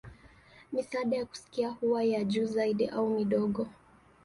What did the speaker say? Misaada ya kusikia huwa ya juu zaidi au midogo.